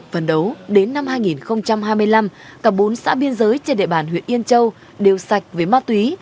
phần đấu đến năm hai nghìn hai mươi năm cả bốn xã biên giới trên địa bàn huyện yên châu đều sạch với ma túy